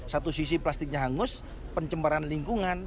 satu sisi plastiknya hangus pencemaran lingkungan